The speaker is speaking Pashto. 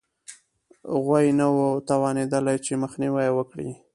غوی نه وو توانېدلي چې مخنیوی یې وکړي